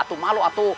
atu malu atu